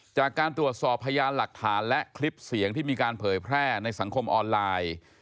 จากการตรวจสอบพยานหลักฐานและคลิปเสียงที่มีการเผยแพร่ในสังคมออนไลน์